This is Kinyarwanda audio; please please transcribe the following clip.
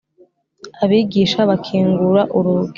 abigisha bakingura urugi,